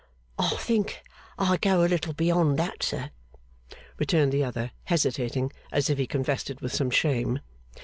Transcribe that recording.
'I think I go a little beyond that, sir,' returned the other, hesitating, as if he confessed it with some shame.